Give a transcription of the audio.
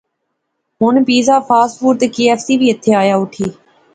ہن پیزا، فاسٹ فوڈ تے کے ایف سی وی ایتھیں آیا اوٹھی